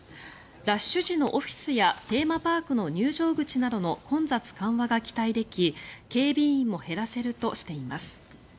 ラッシュ時のオフィスやテーマパークの入場口などの混雑緩和が期待でき警備員も減らせるとしています。